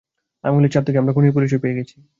আঙুলের ছাপ থেকে আমরা খুনির পরিচয় পেয়ে গেছি।